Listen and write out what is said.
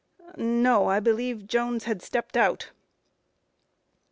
A. No, I believe Jones had stepped out.